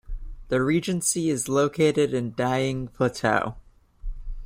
The regency is located in Dieng Plateau.